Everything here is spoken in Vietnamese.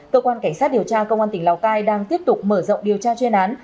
cơ quan cảnh sát điều tra công an tỉnh lào cai đang tiếp tục mở rộng điều tra chuyên án